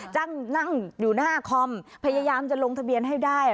นั่งอยู่หน้าคอมพยายามจะลงทะเบียนให้ได้